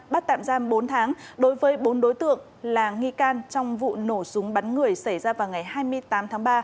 bắt tạm giam bốn tháng đối với bốn đối tượng là nghi can trong vụ nổ súng bắn người xảy ra vào ngày hai mươi tám tháng ba